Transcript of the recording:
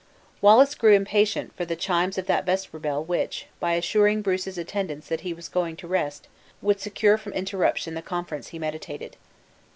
Wallace grew impatient for the chimes of that vesper bell which, by assuring Bruce's attendants that he was going to rest, would secure from interruption the conference he meditated.